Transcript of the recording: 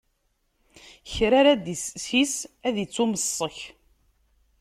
Kra ara d-issis, ad ittumessek.